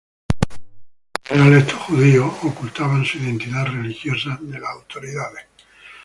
En general estos judíos ocultaban su identidad religiosa de las autoridades.